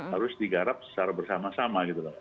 harus digarap secara bersama sama gitu loh